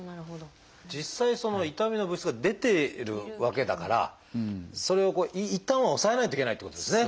実際痛みの物質が出てるわけだからそれをこういったんは抑えないといけないってことですね。